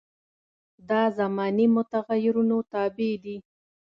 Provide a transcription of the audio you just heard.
دا زماني متغیرونو تابع دي.